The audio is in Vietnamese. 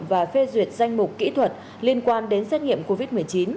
và phê duyệt danh mục kỹ thuật liên quan đến xét nghiệm covid một mươi chín